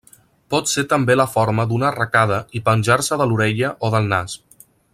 Pot ser també la forma d'una arracada i penjar-se de l'orella o del nas.